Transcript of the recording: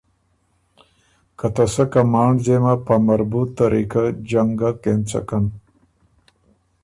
که ته سۀ کمانډ ځېمه په مربوط طریقه جنګک اېنڅکن۔